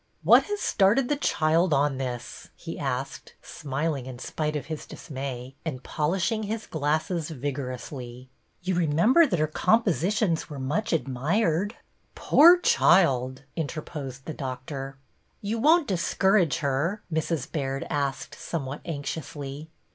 '' What has started the child on this ?" he asked, smiling in spite of his dismay, and polish ing his glasses vigorously. You remember that her compositions were much admired —"'' Poor child !" interposed the doctor. ^^You won't discourage her?" Mrs. Baird asked, somewhat anxiously.